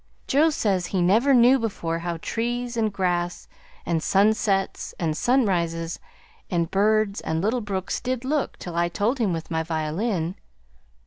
Joe says he never knew before how trees and grass and sunsets and sunrises and birds and little brooks did look, till I told him with my violin.